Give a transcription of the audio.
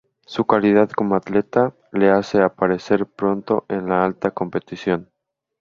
Su calidad como atleta le hace aparecer pronto en la alta competición.